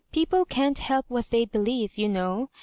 People can't help what they believe, you know.